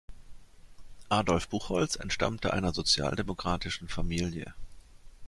Adolf Buchholz entstammte einer sozialdemokratischen Familie.